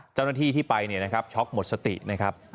เจ้าหน้าที่ที่ไปเนี่ยนะครับ